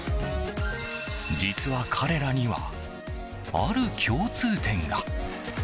実は彼らには、ある共通点が。